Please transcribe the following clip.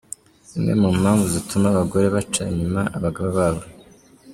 Zimwe mu mpamvu zituma abagore baca inyuma abagabo babo